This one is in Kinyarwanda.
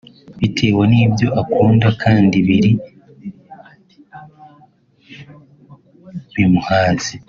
bitewe nibyo akunda kandi biri bumuhaze